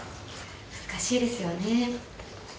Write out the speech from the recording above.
難しいですよね。